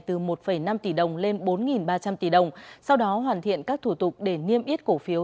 từ một năm tỷ đồng lên bốn ba trăm linh tỷ đồng sau đó hoàn thiện các thủ tục để niêm yết cổ phiếu